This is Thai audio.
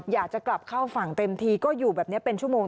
อยากจะกลับเข้าฝั่งเต็มทีก็อยู่แบบนี้เป็นชั่วโมง